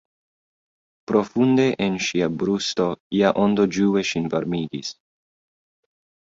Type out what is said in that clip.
Profunde en ŝia brusto ia ondo ĝue ŝin varmigis.